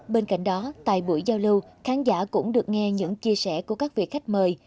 bên cạnh đó tại buổi giao lưu khán giả cũng được nghe những chia sẻ của các vị khách mời